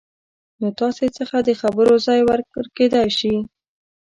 نو تاسې څخه د خبرو ځای ورکېدای شي